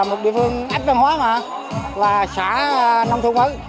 một địa phương áp văn hóa mà là xã nông thu quấn